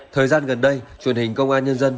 thời gian gần đây truyền hình công an nhân dân